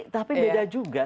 tapi beda juga